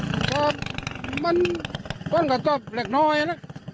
ก็ผมก็ไม่ได้มันก็อยู่นี่